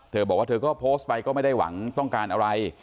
เธอบอกว่าเธอก็โพสต์ไปก็ไม่ได้หวังต้องการอะไร